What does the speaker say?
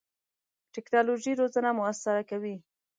ټکنالوژي روزنه موثره کوي.